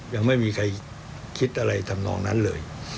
ยังไม่มีใครคิดอะไรทำนองนั้นเลย